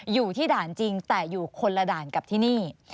อยู่ที่ด่านจริงแต่อยู่คนละด่านกับที่นี่